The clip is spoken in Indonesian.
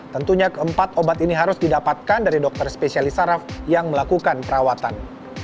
tentunya keempat obat ini harus didapatkan dari dokter spesialis saraf yang melakukan perawatan